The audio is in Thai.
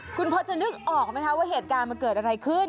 คุณพอจะนึกออกไหมคะว่าเหตุการณ์มันเกิดอะไรขึ้น